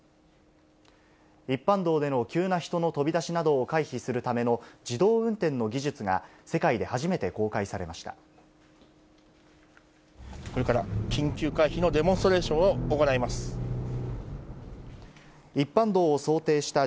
一般道での急な人の飛び出しなどを回避するための自動運転の技術が、世界で初めて公開されました。